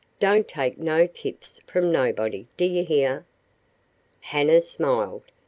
Don't take no tips from nobody, d'ye hear?" Hanna smiled.